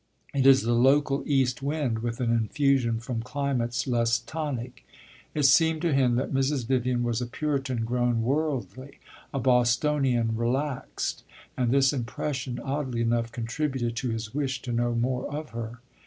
It is the local east wind with an infusion from climates less tonic." It seemed to him that Mrs. Vivian was a Puritan grown worldly a Bostonian relaxed; and this impression, oddly enough, contributed to his wish to know more of her.